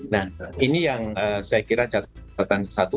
nah ini yang saya kira catatan satu